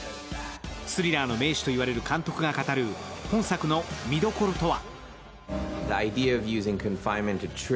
スリラーの名手と呼ばれる監督が語る本作の見どころとは？